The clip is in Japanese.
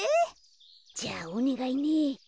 じゃあおねがいね。